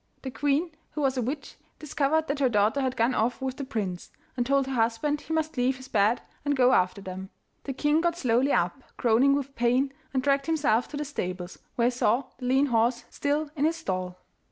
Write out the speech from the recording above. The queen, who was a witch, discovered that her daughter had gone off with the prince, and told her husband he must leave his bed and go after them. The king got slowly up, groaning with pain, and dragged himself to the stables, where he saw the lean horse still in his stall.